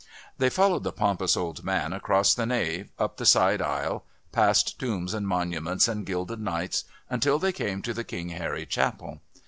They followed the pompous old man across the nave, up the side aisle, past "tombs and monuments and gilded knights," until they came to the King Harry Chapel.